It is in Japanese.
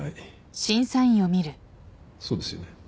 そうですよね？